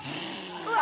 うわ！